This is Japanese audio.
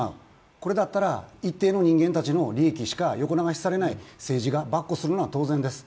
これだったら一定の人間たちの利益しか横流ししない、政治がばっこするのは当然です。